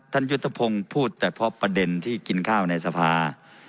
ยุทธพงศ์พูดแต่เพราะประเด็นที่กินข้าวในสภา